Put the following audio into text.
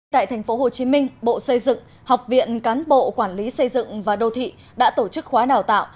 tại tp hcm bộ xây dựng học viện cán bộ quản lý xây dựng và đô thị đã tổ chức khóa đào tạo